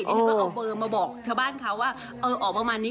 เดี๋ยวก็เอาเบอร์มาบอกเฉพาะบ้านเขาว่าออกประมาณนี้